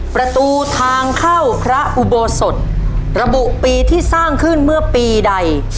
ประตูทางเข้าพระอุโบสถระบุปีที่สร้างขึ้นเมื่อปีใด